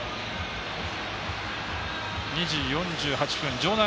２時４８分場内